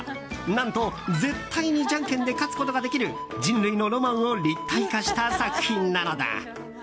何と、絶対にじゃんけんで勝つことができる人類のロマンを立体化した作品なのだ。